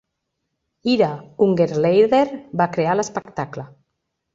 Ira Ungerleider va crear l'espectacle.